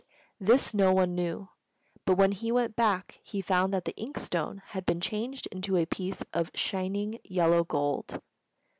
This no one knew; but when he went back he found that the ink stone had been changed into a piece of shining yellow gold.